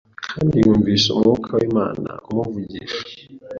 Kandi yumvise umwuka wImana umuvugisha